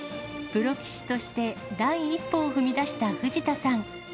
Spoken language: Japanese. プロ棋士として第一歩を踏み出した藤田さん。